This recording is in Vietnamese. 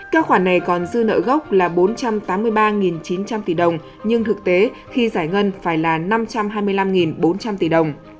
các khoản này còn dư nợ gốc là bốn trăm tám mươi ba chín trăm linh tỷ đồng nhưng thực tế khi giải ngân phải là năm trăm hai mươi năm bốn trăm linh tỷ đồng